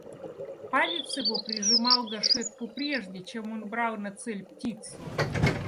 Палец его прижимал гашетку прежде, чем он брал на цель птицу.